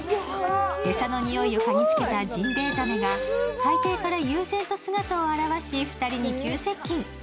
餌のにおいを嗅ぎつけたジンベエザメが海底から悠然と姿を現し２人に急接近。